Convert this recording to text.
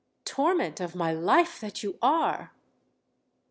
torment of my life that you are!